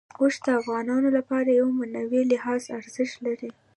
اوښ د افغانانو لپاره په معنوي لحاظ ارزښت لري.